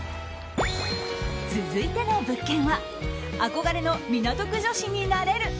続いての物件は憧れの港区女子になれる！